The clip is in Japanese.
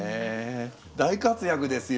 大活躍ですよ